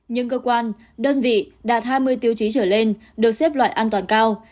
nhưng cơ quan đơn vị đạt hai mươi tiêu chí trở lên được xếp loại an toàn cao